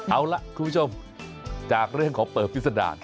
เอาล่ะคุณผู้ชมจากเรื่องของเปิบพิษดาร